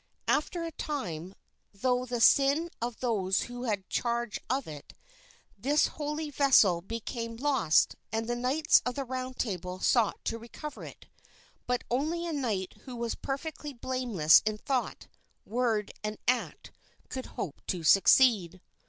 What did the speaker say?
After a time, through the sin of those who had charge of it, this holy vessel became lost, and the knights of the Round Table sought to recover it; but only a knight who was perfectly blameless in thought, word, and act could hope to succeed.